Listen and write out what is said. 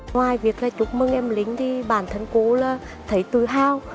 ngoài việc chúc mừng em lính thì bản thân cô là thấy tự hào